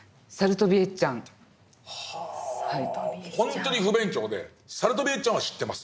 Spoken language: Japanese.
ほんとに不勉強で「さるとびエッちゃん」は知ってます。